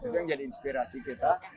itu yang jadi inspirasi kita